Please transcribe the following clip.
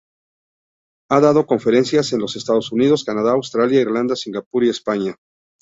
Ha dado conferencias en los Estados Unidos, Canadá, Australia, Irlanda, Singapur y España.